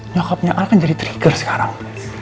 nyokapnya al kan jadi trigger sekarang